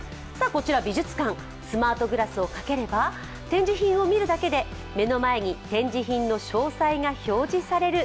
こちら美術館、スマートグラスをかければ、展示品を見るだけで目の前に展示品の詳細が表示される